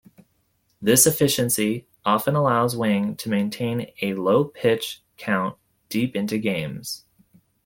This efficiency often allows Wang to maintain a low pitch count deep into games.